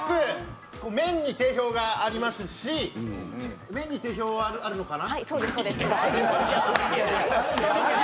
すごく麺に定評がありますし定評あるのかな？